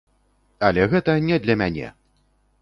Але гэта не для мяне!